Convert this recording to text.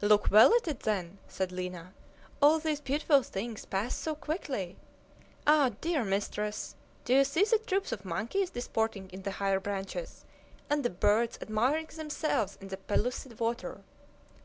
"Look well at it, then!" said Lina. "All these beautiful things pass so quickly! Ah! dear mistress! do you see the troops of monkeys disporting in the higher branches, and the birds admiring themselves in the pellucid water!"